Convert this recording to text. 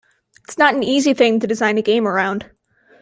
It's not an easy thing to design a game around.